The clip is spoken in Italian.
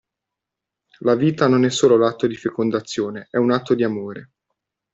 La vita non è solo l'atto di fecondazione è un atto di amore.